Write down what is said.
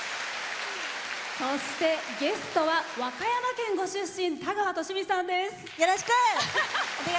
そして、ゲストは和歌山県ご出身田川寿美さんです。